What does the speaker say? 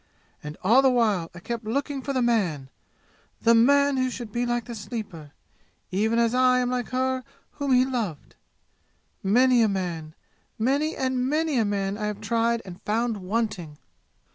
And all the while I kept looking for the man the man who should be like the Sleeper, even as I am like her whom he loved! "Many a man many and many a man I have tried and found wanting!